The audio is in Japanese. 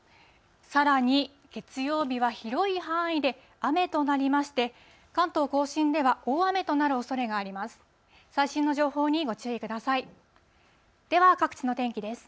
さらに月曜日は広い範囲で雨となりまして、関東甲信では大雨となるおそれがあります。